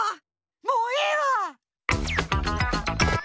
もうええわ！